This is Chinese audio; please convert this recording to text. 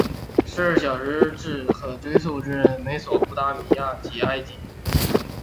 十二小时制可追溯至美索不达米亚及埃及。